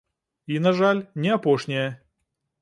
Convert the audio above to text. І, на жаль, не апошнія.